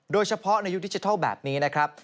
โดยเฉพาะในยุคดิจิทัลแบบนี้นะครับ